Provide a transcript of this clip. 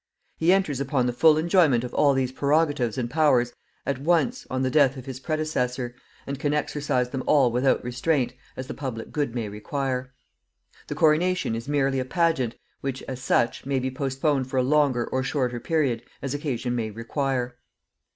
He enters upon the full enjoyment of all these prerogatives and powers at once on the death of his predecessor, and can exercise them all without restraint, as the public good may require. The coronation is merely a pageant, which, as such, may be postponed for a longer or shorter period, as occasion may require.